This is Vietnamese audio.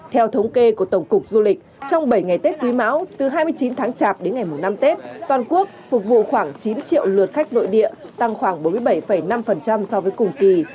theo thống kê của tổng cục du lịch trong bảy ngày tết quý mão từ hai mươi chín tháng chạp đến ngày năm tết toàn quốc phục vụ khoảng chín triệu lượt khách nội địa tăng khoảng bốn mươi bảy năm so với cùng kỳ